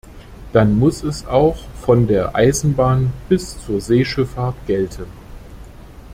Dann muss es auch von der Eisenbahn bis zur Seeschifffahrt gelten.